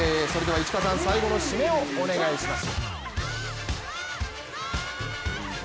市川さん、最後のシメをお願いします。